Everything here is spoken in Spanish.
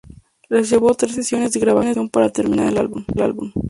Les llevó tres sesiones de grabación para terminar el álbum.